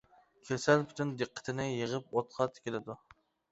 كېسەل پۈتۈن دىققىتىنى يىغىپ ئوتقا تىكىلىدۇ.